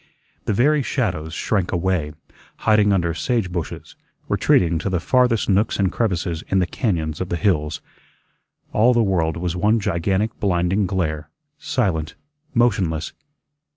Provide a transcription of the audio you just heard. The very shadows shrank away, hiding under sage bushes, retreating to the farthest nooks and crevices in the cañóns of the hills. All the world was one gigantic blinding glare, silent, motionless.